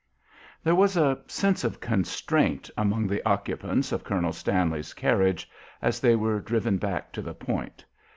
There was a sense of constraint among the occupants of Colonel Stanley's carriage as they were driven back to the Point.